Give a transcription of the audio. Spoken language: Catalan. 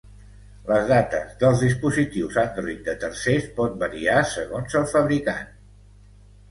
Les dates dels dispositius Android de tercers pot variar segons el fabricant.